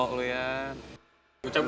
yuk kita tidur dulu